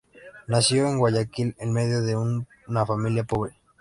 Nació Guayaquil en medio de una familia pobre.